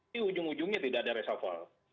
di ujung ujungnya tidak ada reshuffle